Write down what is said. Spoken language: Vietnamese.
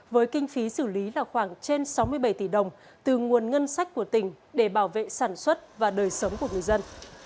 với kinh phí xử lý là khoảng trên sáu mươi bảy tỷ đồng từ nguồn ngân sách của tỉnh để bảo vệ sản xuất và đời sống của người dân